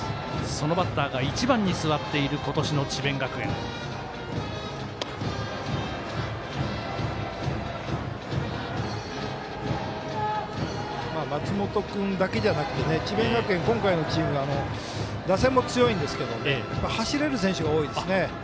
そのバッターが１番に座っている松本君だけじゃなくて智弁学園、今回のチームは打線も強いんですけど走れる選手が多いですね。